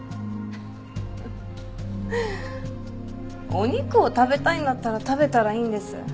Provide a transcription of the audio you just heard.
お肉を食べたいんだったら食べたらいいんです。